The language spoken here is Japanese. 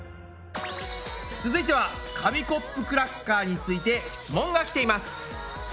続いては紙コップクラッカーについて質問が来ています。